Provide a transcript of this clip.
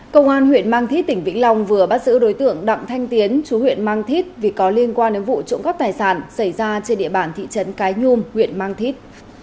công an huyện mang thít tỉnh vĩnh long vừa bắt giữ đối tượng đặng thanh tiến chú huyện mang thít vì có liên quan đến vụ trộm cắp tài sản xảy ra trên địa bàn thị trấn cái nhung huyện mang thít